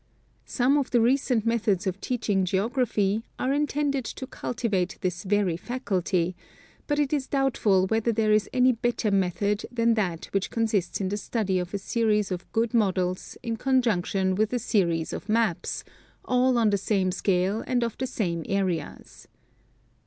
Some of the recent methods of teaching geography are intended to cultivate this very faculty, but it is doubtful whether there is any better method than that which consists in the study of a series of good models in conjunction with a series of maps, all on the same scale and of the same areas.